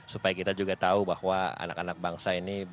supaya kita juga tahu bahwa anak anak bangsa ini